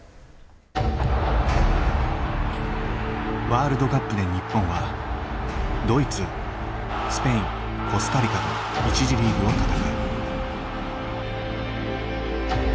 ワールドカップで日本はドイツスペインコスタリカと１次リーグを戦う。